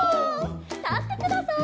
たってください。